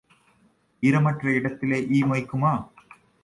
ஈரம் அற்ற இடத்திலே ஈ மொய்க்குமா?